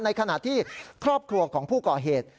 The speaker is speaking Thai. ในขณะที่ครอบครัวของผู้ก่อเหตุ